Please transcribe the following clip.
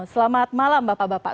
selamat malam bapak bapak